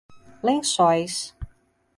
Lençóis